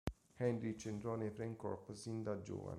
Heydrich entrò nei Freikorps sin da giovane.